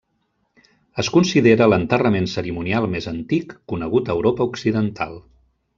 Es considera l'enterrament cerimonial més antic conegut a Europa Occidental.